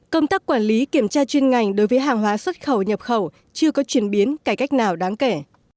công tác quản lý kiểm tra chuyên ngành đối với hàng hóa xuất khẩu nhập khẩu chưa có chuyển biến cải cách nào đáng kể